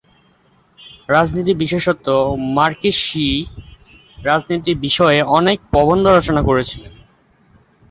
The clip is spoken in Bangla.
রাজনীতি, বিশেষত মার্কসীয় রাজনীতি বিষয়ে অনেক প্রবন্ধ রচনা করেছিলেন।